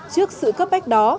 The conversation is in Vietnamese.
trước sự cấp bách đó